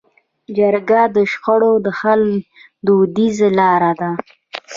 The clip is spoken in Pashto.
جرګه د شخړو د حل دودیزه لاره ده.